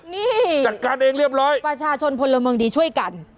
นี่จัดการเองเรียบร้อยประชาชนพลเมืองดีช่วยกัน